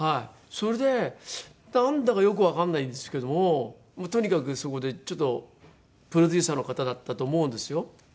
それでなんだかよくわかんないんですけどもとにかくそこでちょっとプロデューサーの方だったと思うんですよ。